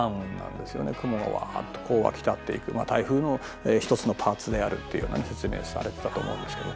雲がわっとこう湧き立っていく台風の一つのパーツであるというような説明されてたと思うんですけど。